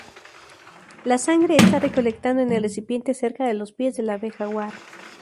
La sangre se está recolectando en el recipiente cerca de los pies del Ave-Jaguar.